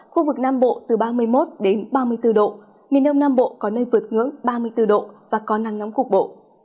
khu vực nam bộ từ ba mươi một ba mươi bốn độ miền đông nam bộ có nơi vượt ngưỡng ba mươi bốn độ và có nắng nóng cục bộ